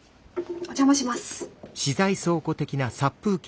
お邪魔します。